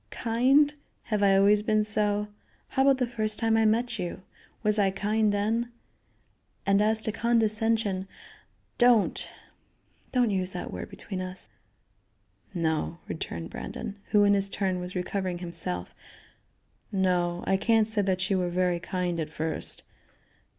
Kind? Have I always been so? How about the first time I met you? Was I kind then? And as to condescension, don't don't use that word between us." "No," returned Brandon, who, in his turn, was recovering himself, "no, I can't say that you were very kind at first.